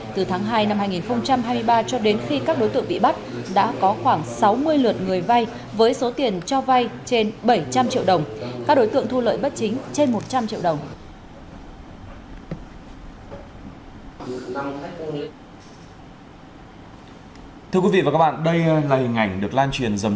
từ tháng hai năm hai nghìn hai mươi ba cho đến khi các đối tượng bị bắt đã có khoảng sáu mươi lượt người vay với số tiền cho vay trên bảy trăm linh triệu đồng